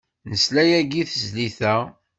Nesla yagi i tezlit-a.